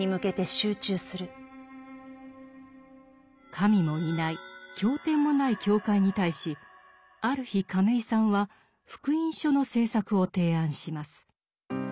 神もいない教典もない教会に対しある日亀井さんは福音書の制作を提案します。